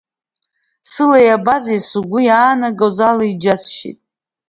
Сыла иабазеи, сгәы аангылоз џьысшьеит…